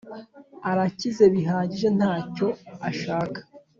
arakize bihagije ntacyo ashaka